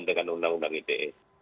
dengan undang undang ite